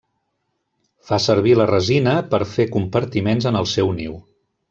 Fa servir la resina per fer compartiments en el seu niu.